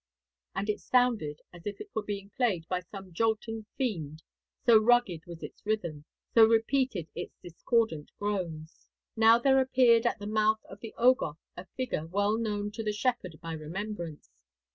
And it sounded as if it were being played by some jolting fiend, so rugged was its rhythm, so repeated its discordant groans. Now there appeared at the mouth of the Ogof a figure well known to the shepherd by remembrance.